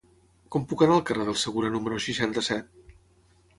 Com puc anar al carrer del Segura número seixanta-set?